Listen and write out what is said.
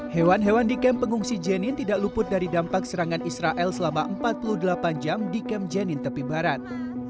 hewan hewan di kem pengungsi jenin tidak luput dari dampak serangan israel selama empat puluh delapan jam di kem jenin tepi barat